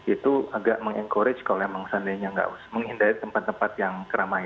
itu agak meng encourage kalau memang seandainya nggak menghindari tempat tempat yang keramaian